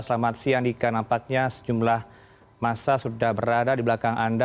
selamat siang dika nampaknya sejumlah masa sudah berada di belakang anda